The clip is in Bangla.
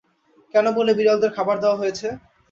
কেন বললে, বিড়ালদের খাবার দেওয়া হয়েছে?